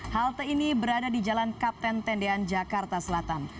halte ini berada di jalan kapten tendean jakarta selatan